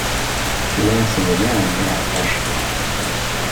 Llan sseblaɛen tiɛeqqacin.